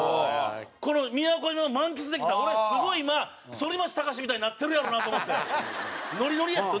この宮古島を満喫できた俺すごい今反町隆史みたいになってるやろうなと思ってノリノリやった。